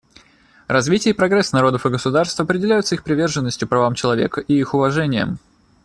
Развитие и прогресс народов и государств определяются их приверженностью правам человека и их уважением.